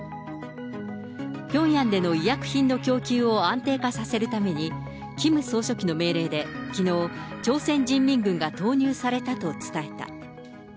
ピョンヤンでの医薬品の供給を安定化させるために、キム総書記の命令できのう、朝鮮人民軍が投入されたと伝えた。